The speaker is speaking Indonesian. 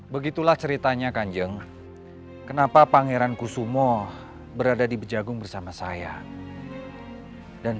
begitulah ceritanya kanjeng kenapa pangeran kusumo berada di bejagung bersama saya dan